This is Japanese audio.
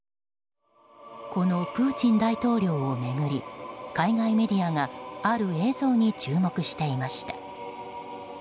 このプーチン大統領を巡り海外メディアがある映像に注目していました。